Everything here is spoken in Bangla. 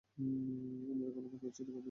আমরা ওখানকার পরিস্থিতি খতিয়ে দেখেছি!